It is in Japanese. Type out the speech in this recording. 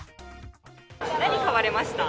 何買われました？